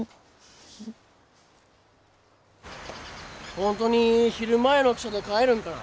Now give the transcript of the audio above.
本当に昼前の汽車で帰るんかな？